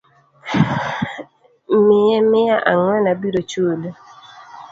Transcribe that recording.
Miye mia angwen abiro chuli